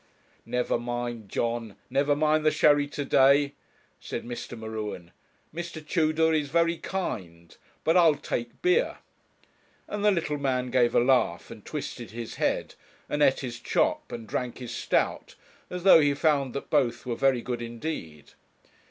'Never mind, John, never mind the sherry to day,' said M'Ruen. 'Mr. Tudor is very kind, but I'll take beer;' and the little man gave a laugh and twisted his head, and ate his chop and drank his stout, as though he found that both were very good indeed.